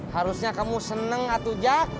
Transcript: harusnya kamu seneng atu jack